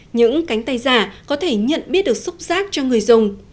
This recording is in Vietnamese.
những cánh tay giả có thể nhận biết được xúc rác cho người dùng